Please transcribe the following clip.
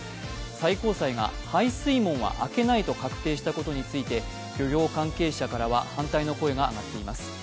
最高裁が排水門は開けないと確定したことについて、漁業関係者からは反対の声が上がっています。